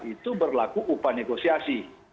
itu berlaku upah negosiasi